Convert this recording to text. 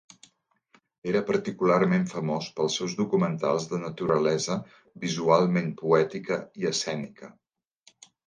Era particularment famós pels seus documentals de naturalesa visualment poètica i escènica.